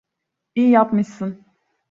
İyi yapmışsın.